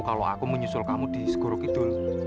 kalau aku menyusul kamu di seguru kidul